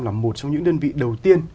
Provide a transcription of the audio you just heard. là một trong những đơn vị đầu tiên